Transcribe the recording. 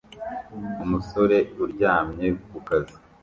Umusore uryamye ku kazi